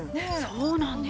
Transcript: そうなんです。